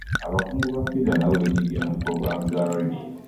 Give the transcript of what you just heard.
Abakungu ba FIDA nabo beenyigira mu pulogulaamu za laadiyo.